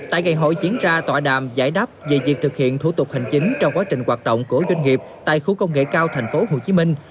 tại ngày hội diễn ra tọa đàm giải đáp về việc thực hiện thủ tục hành chính trong quá trình hoạt động của doanh nghiệp tại khu công nghệ cao thành phố hồ chí minh